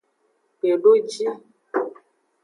Kpedoji.